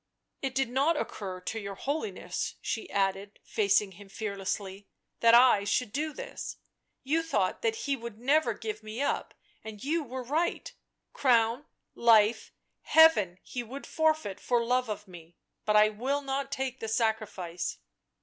" It did not occur to your Holiness," she added, facing him fearlessly, " that I should do this ; you thought that he would never give me up, and you were right — crown, life, heaven he would forfeit for love of me, but I will not take the sacrifice."